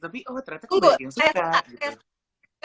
tapi oh ternyata kok banyak yang suka gitu